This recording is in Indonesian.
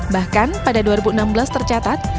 bahkan pada dua ribu enam belas tercatat